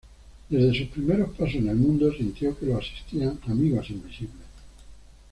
Desde sus primeros pasos en el mundo sintió que lo asistían amigos invisibles.